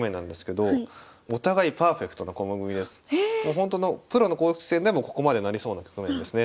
ほんとのプロの公式戦でもここまでなりそうな局面ですね。